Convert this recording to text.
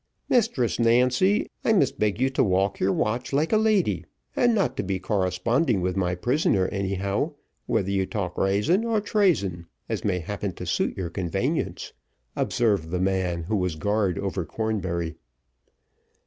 "Mistress Nancy, I must beg you to walk your watch like a lady, and not to be corresponding with my prisoner anyhow, whether you talk raison or traison, as may happen to suit your convanience," observed the man who was guard over Cornbury.